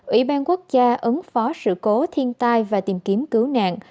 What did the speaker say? ủy ban quốc gia ứng phó sự cố thiên tai và tìm kiếm cứu nạn